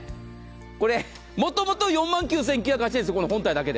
これ、もともと４万９９８０円です、この本体だけで。